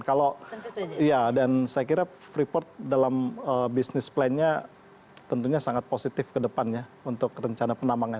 dan saya kira freeport dalam bisnis plannya tentunya sangat positif ke depannya untuk rencana penambangnya